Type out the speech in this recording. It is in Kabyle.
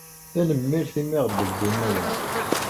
Tanemmirt imi ay aɣ-d-tewwim aya.